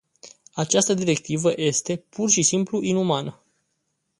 Această directivă este, pur și simplu, inumană.